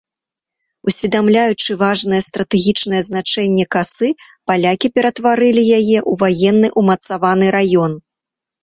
Усведамляючы важнае стратэгічнае значэнне касы, палякі ператварылі яе ў ваенны умацаваны раён.